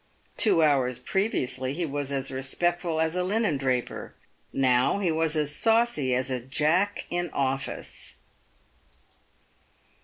Two hours previously he was as respectful as a linen draper ; now he was as saucy as a Jack in office.